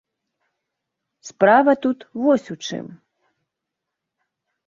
Справа тут вось у чым.